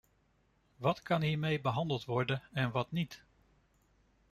Wat kan hiermee behandeld worden en wat niet?